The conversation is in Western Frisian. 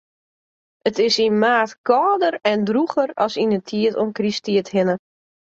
It is yn maart kâlder en drûger as yn 'e tiid om Krysttiid hinne.